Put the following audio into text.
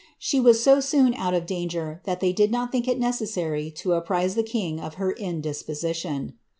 She was so soon out of danger that they did not think it necessary to apprize the king of her indispositjoo.